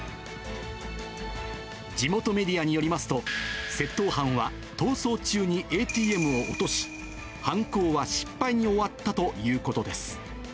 地元メディアによりますと、窃盗犯は逃走中にＡＴＭを落とし、犯行は失敗に終わったということです。